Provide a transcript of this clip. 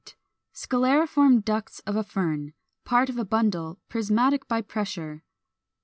Scalariform ducts of a Fern; part of a bundle, prismatic by pressure.